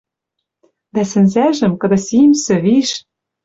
Дӓ сӹнзӓжӹм, кыды симсӹ, виш...